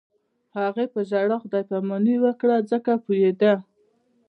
هغې په ژړا خدای پاماني وکړه ځکه پوهېده